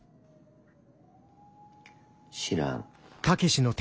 知らん。